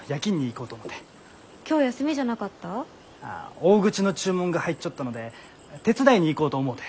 大口の注文が入っちょったので手伝いに行こうと思うて。